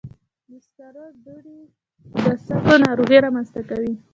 د سکرو دوړې د سږي ناروغۍ رامنځته کوي.